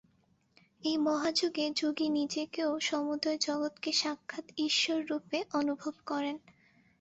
এই মহাযোগে যোগী নিজেকে ও সমুদয় জগৎকে সাক্ষাৎ ঈশ্বররূপে অনুভব করেন।